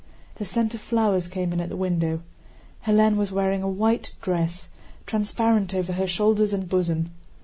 The scent of flowers came in at the window. Hélène was wearing a white dress, transparent over her shoulders and bosom.